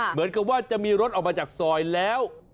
เหมือนกับว่าจะมีรถออกมาจากซอยแล้ว